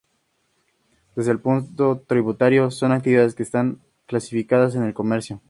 Desde el punto tributario, son actividades que están clasificadas en el comercio.